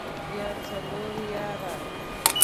يا څلور ياره.